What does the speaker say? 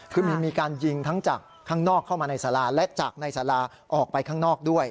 คือมีการยิงทั้งจากข้างนอกเข้ามาในสาราและจากในสาราออกไปข้างนอกด้วย